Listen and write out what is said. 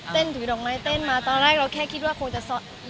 เต้นถือดอกไม้เต้นมาตอนแรกเราแค่คิดว่าคงจะเซอร์ไพรส์วันเกิดย้อนหลัง